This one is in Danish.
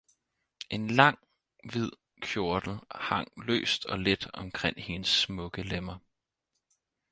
En lang, hvid kjortel hang løst og let omkring hendes smukke lemmer